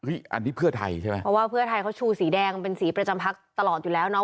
อันนี้เพื่อไทยใช่ไหมเพราะว่าเพื่อไทยเขาชูสีแดงเป็นสีประจำพักตลอดอยู่แล้วเนาะ